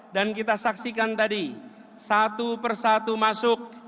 dan kita saksikan tadi satu persatu masuk